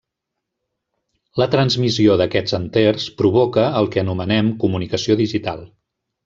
La transmissió d'aquests enters provoca el que anomenem comunicació digital.